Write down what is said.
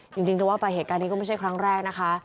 จริงจะว่าไปเหตุการณ์นี้ก็ไม่ใช่ครั้งแรกนะคะ